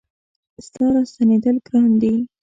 ستا را ستنېدل ګران دي